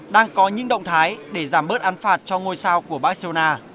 đang có những động thái để giảm bớt án phạt cho ngôi sao của barcelona